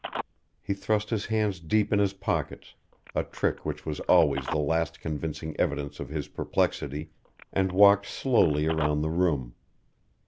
He thrust his hands deep in his pockets, a trick which was always the last convincing evidence of his perplexity, and walked slowly around the room.